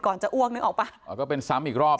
ก่อนจะอ้วกนึกออกป่ะอ๋อก็เป็นซ้ำอีกรอบ